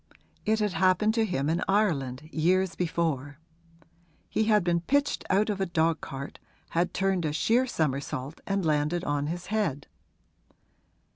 It had happened to him in Ireland, years before; he had been pitched out of a dogcart, had turned a sheer somersault and landed on his head.